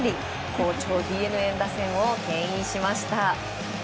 好調ＤｅＮＡ打線を牽引しました。